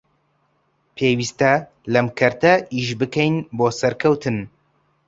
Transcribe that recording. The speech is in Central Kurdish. پێویستە لەم کەرتە ئیش بکەین بۆ سەرکەوتن